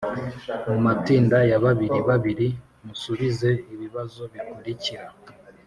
mu matsinda ya babiri babiri, musubize ibibazo bikurikira: